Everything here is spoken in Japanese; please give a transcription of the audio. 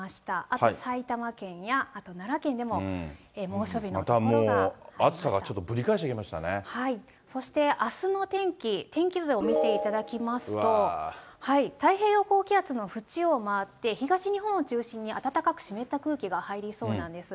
あと埼玉県やあと奈良県でも猛暑またもう暑さがぶり返してきそしてあすの天気、天気図を見ていただきますと、太平洋高気圧の縁を回って東日本を中心に暖かく湿った空気が入りそうなんです。